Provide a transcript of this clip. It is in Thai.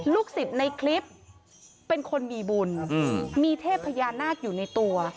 สิทธิ์ในคลิปเป็นคนมีบุญมีเทพพญานาคอยู่ในตัว